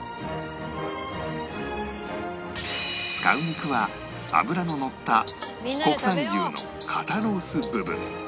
使う肉は脂ののった国産牛の肩ロース部分